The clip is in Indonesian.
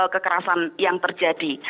kekerasan yang terjadi